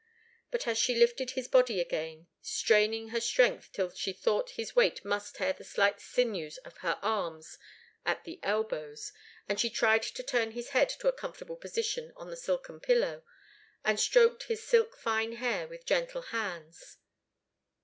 But she lifted his body again, straining her strength till she thought his weight must tear the slight sinews of her arms at the elbow, and she tried to turn his head to a comfortable position on the silken pillow, and stroked his silk fine hair with gentle hands.